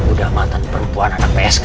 muda mantan perempuan anak psk